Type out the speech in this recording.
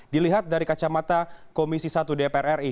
dilihat dari kacamata komisi satu dpr ri